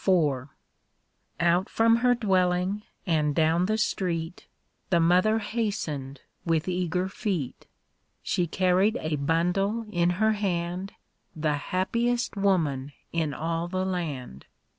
‚ÄĒ Page 41 IV Out from her dwcllini;, and down the street, The mother hastened with eager tcet. She carried a bundle in her hand, The happiest woman in all the land.